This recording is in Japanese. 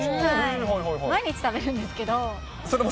毎日食べるんですけれども。